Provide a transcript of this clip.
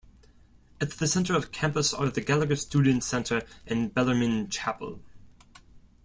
At the center of campus are the Gallagher Student Center and Bellarmine Chapel.